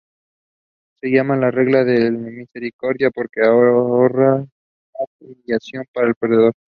Se llama la regla de la misericordia porque ahorra más humillación para el perdedor.